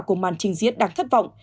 của màn trình diết đáng thất vọng